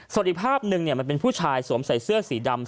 ส่วนอีกภาพหนึ่งมันเป็นผู้ชายสวมใส่เสื้อสีดำ